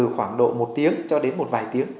khoảng độ một tiếng cho đến một vài tiếng